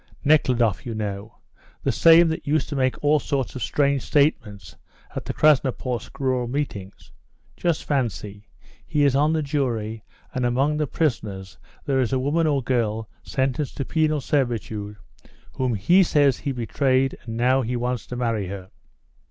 "Nekhludoff, you know; the same that used to make all sorts of strange statements at the Krasnoporsk rural meetings. Just fancy! He is on the jury, and among the prisoners there is a woman or girl sentenced to penal servitude, whom he says he betrayed, and now he wants to marry her."